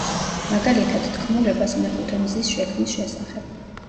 მაგალითად, თქმულებას მეხუთე მზის შექმნის შესახებ.